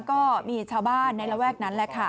ก็มีชาวบ้านในระแวกนั้นแหละค่ะ